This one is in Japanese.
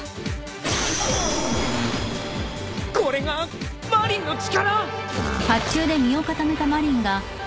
これがマリンの力！